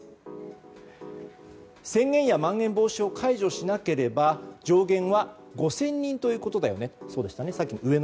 宣言やまん延防止を解除しなければ上限は５０００人ということだよね。